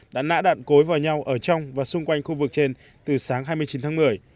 đã nã đạn cối vào nhau ở trong và xung quanh khu vực trên từ sáng hai mươi chín tháng một mươi